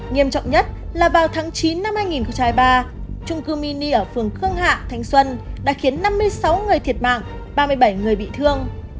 nghiêm trọng nhất là vào tháng chín năm hai nghìn hai mươi ba trung cư mini ở phường khương hạ thanh xuân đã khiến năm mươi sáu người thiệt mạng ba mươi bảy người bị thương